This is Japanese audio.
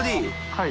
はい。